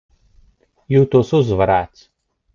Jūtos uzvarēts.